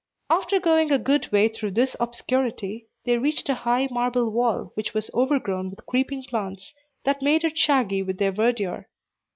After going a good way through this obscurity, they reached a high marble wall, which was overgrown with creeping plants, that made it shaggy with their verdure.